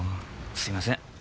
すいません。